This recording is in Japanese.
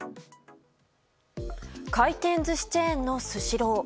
回転寿司チェーンのスシロー。